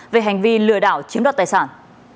về hành vi lừa đảo chiếm đoạt tài sản